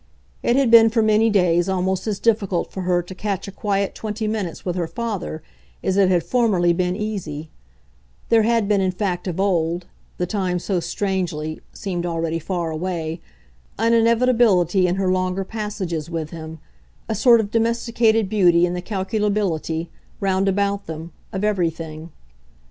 It had been for many days almost as difficult for her to catch a quiet twenty minutes with her father as it had formerly been easy; there had been in fact, of old the time, so strangely, seemed already far away an inevitability in her longer passages with him, a sort of domesticated beauty in the calculability, round about them, of everything.